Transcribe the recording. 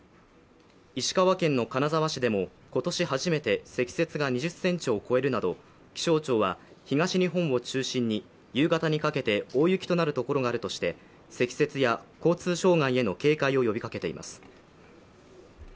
石川県の金沢市でも今年初めて積雪が２０ｃｍを超えるなど、気象庁は東日本を中心に夕方にかけて大雪となる所があるとして積雪や交通障害への警戒を呼びかけています。